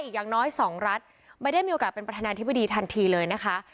อย่างน้อย๒รัฐไม่ได้มีโอกาสเป็นประธานาธิบดีทันทีเลยนะคะ